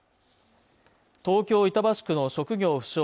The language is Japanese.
東京板橋区の職業不詳